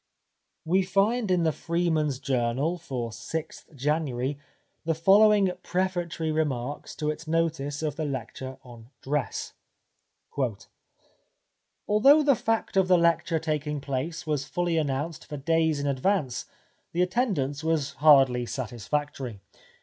We find in The Free man's Journal for 6th January the following prefatory remarks to its notice of the lecture on "Dress" :— 360 The Life of Oscar Wilde " Although the fact of the lecture taking place was fully announced for days in advance the attendance was hardly satisfactory.